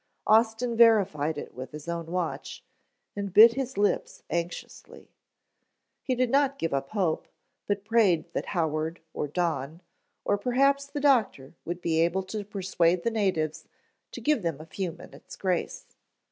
Austin verified it with his own watch, and bit his lips anxiously. He did not give up hope, but prayed that Howard or Don, or perhaps the doctor would be able to persuade the natives to give them a few minutes grace.